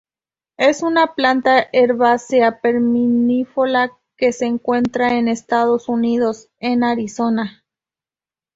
Es una planta herbácea perennifolia que se encuentra en Estados Unidos en Arizona.